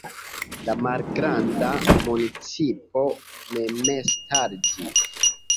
La malgranda municipo memstariĝis.